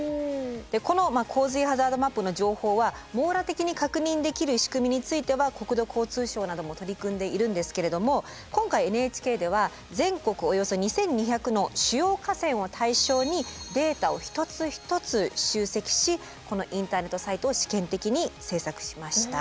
この洪水ハザードマップの情報は網羅的に確認できる仕組みについては国土交通省なども取り組んでいるんですけれども今回ＮＨＫでは全国およそ２，２００の主要河川を対象にデータを一つ一つ集積しこのインターネットサイトを試験的に制作しました。